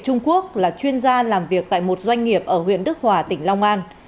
trung quốc là chuyên gia làm việc tại một doanh nghiệp ở huyện đức hòa tỉnh long an